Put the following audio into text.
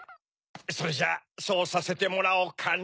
それじゃそうさせてもらおうかな。